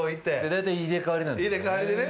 大体、入れ替わりなんですよね。